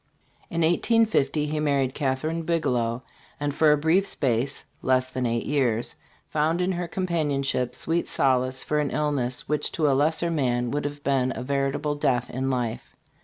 In 1850 he married Catherine Bigelow, and for a brief space (less than eight years) found in her companionship sweet solace for an illness which to a lesser man would have been a veritable death in life.